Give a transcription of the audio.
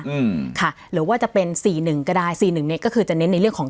อืมค่ะหรือว่าจะเป็นสี่หนึ่งก็ได้สี่หนึ่งเนี้ยก็คือจะเน้นในเรื่องของ